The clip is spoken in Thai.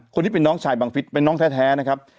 คนที่เป็นน้องชายบังฟิศเป็นน้องแท้นะครับ